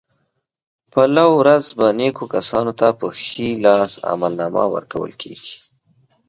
په لو ورځ به نېکو کسانو ته په ښي لاس عملنامه ورکول کېږي.